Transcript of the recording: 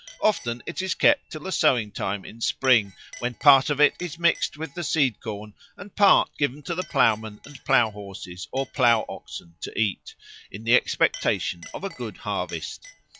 Often it is kept till the sowing time in spring, when part of it is mixed with the seed corn and part given to the ploughman and plough horses or ploughoxen to eat, in the expectation of a good harvest.